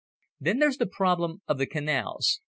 Then there's the problem of the canals...."